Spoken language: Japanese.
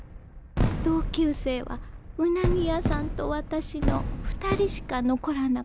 同級生はうなぎ屋さんと私の２人しか残らなかったの。